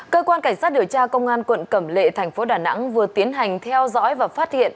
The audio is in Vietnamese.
cơ quan cảnh sát điều tra công an quận cẩm lệ thành phố đà nẵng vừa tiến hành theo dõi và phát hiện